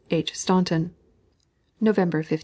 H. STAUNTON. _November 15.